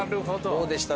どうでした？